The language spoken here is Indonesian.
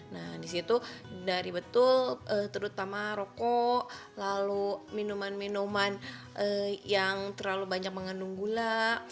nah disitu dari betul terutama rokok lalu minuman minuman yang terlalu banyak mengandung gula